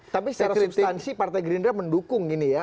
tapi secara substansi partai gerindra mendukung ini ya